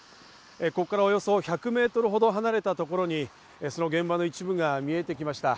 ここからおよそ１００メートルほど離れたところに、その現場の一部が見えてきました。